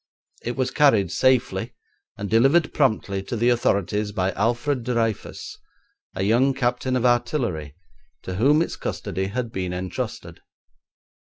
It was carried safely and delivered promptly to the authorities by Alfred Dreyfus, a young captain of artillery, to whom its custody had been entrusted.